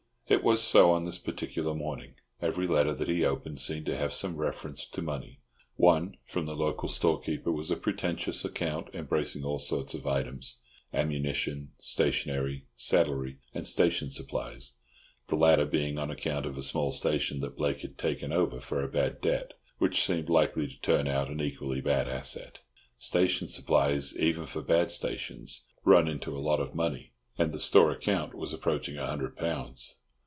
It was so on this particular morning. Every letter that he opened seemed to have some reference to money. One, from the local storekeeper, was a pretentious account embracing all sorts of items—ammunition, stationery, saddlery and station supplies (the latter being on account of a small station that Blake had taken over for a bad debt, which seemed likely to turn out an equally bad asset). Station supplies, even for bad stations, run into a lot of money, and the store account was approaching a hundred pounds.